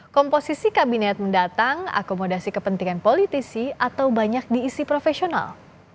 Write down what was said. komposisi kabinet mendatang akomodasi kepentingan politisi atau banyak diisi profesional